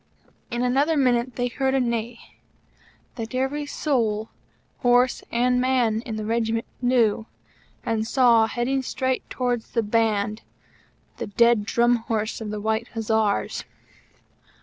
In another minute they heard a neigh that every soul horse and man in the Regiment knew, and saw, heading straight towards the Band, the dead Drum Horse of the White Hussars!